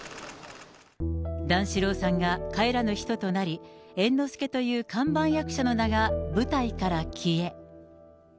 段四郎さんが帰らぬ人となり、猿之助という看板役者の名が舞台から消え。